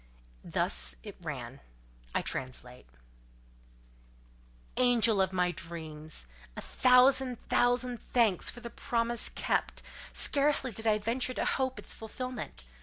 Thus it ran—I translate:— "Angel of my dreams! A thousand, thousand thanks for the promise kept: scarcely did I venture to hope its fulfilment.